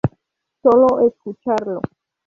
Solo escucharlo.